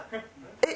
えっ？